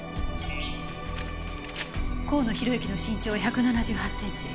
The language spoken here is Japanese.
甲野弘之の身長は１７８センチ。